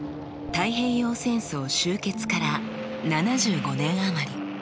太平洋戦争終結から７５年余り。